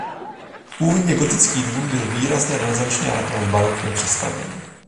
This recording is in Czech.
Původně gotický dům byl výrazně renesančně a nakonec barokně přestavěn.